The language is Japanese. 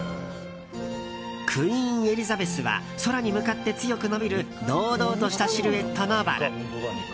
クイーンエリザベスは空に向かって強く伸びる堂々としたシルエットのバラ。